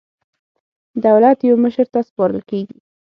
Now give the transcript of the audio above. دولت یو مشر ته سپارل کېږي.